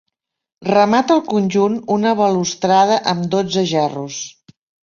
Remata el conjunt una balustrada amb dotze gerros.